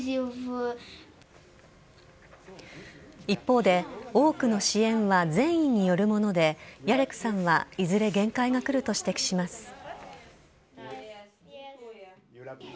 一方で、多くの支援は善意によるもので、ヤレクさんはいずれ限界がくると指摘します。